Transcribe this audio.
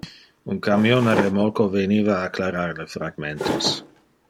Un camion a remolco veniva a clarar le fragmentos.